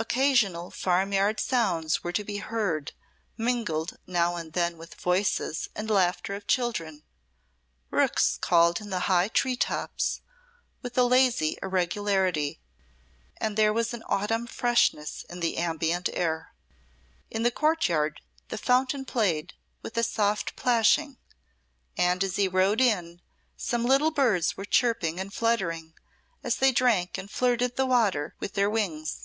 Occasional farm yard sounds were to be heard mingled now and then with voices and laughter of children, rooks cawed in the high tree tops with a lazy irregularity, and there was an autumn freshness in the ambient air. In the courtyard the fountain played with a soft plashing, and as he rode in some little birds were chirping and fluttering as they drank and flirted the water with their wings.